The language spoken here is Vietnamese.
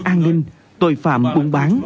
an ninh tội phạm buôn bán